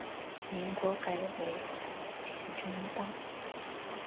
民国改为滇中道。